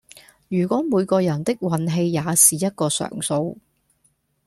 如果每個人的運氣也是一個常數